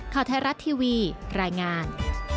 ข่าวไทยรัฐทีวีรายงาน